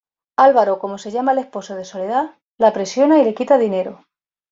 Alvaro como se llama el esposo de Soledad, la presiona y le quita dinero.